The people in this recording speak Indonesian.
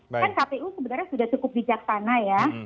kan kpu sebenarnya sudah cukup bijaksana ya